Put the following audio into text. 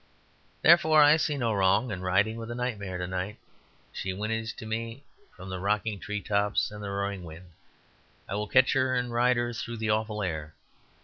Therefore I see no wrong in riding with the Nightmare to night; she whinnies to me from the rocking tree tops and the roaring wind; I will catch her and ride her through the awful air.